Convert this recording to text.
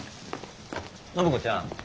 暢子ちゃん